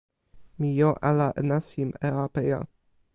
mi jo ala e nasin e apeja.